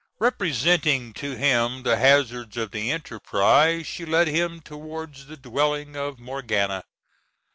Representing to him the hazards of the enterprise, she led him towards the dwelling of Morgana.